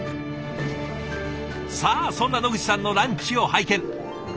さあそんな野口さんのランチを拝見。